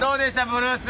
ブルース。